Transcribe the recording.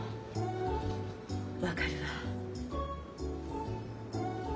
分かるわ。